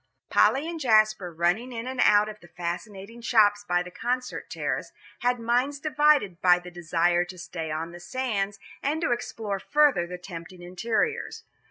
Polly and Jasper, running in and out of the fascinating shops by the Concert terrace, had minds divided by the desire to stay on the sands, and to explore further the tempting interiors.